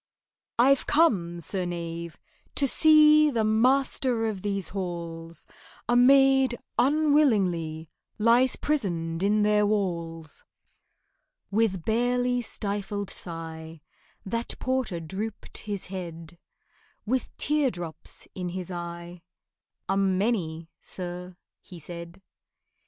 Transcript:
"I've come, Sir Knave, to see The master of these halls: A maid unwillingly Lies prisoned in their walls."' With barely stifled sigh That porter drooped his head, With teardrops in his eye, "A many, sir," he said.